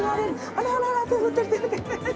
あらあらあら手振ってる手振ってる！